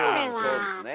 そうですね。